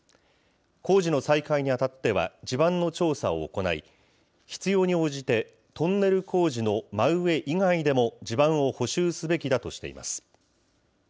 工事の再開にあたっては、地盤の調査を行い、必要に応じてトンネル工事の真上以外でも地盤を補修すべきだとしています。